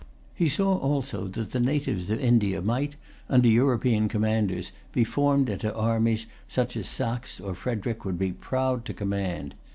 He saw also that the natives of India might, under European commanders, be formed into armies, such as Saxe or Frederic would be proud to command.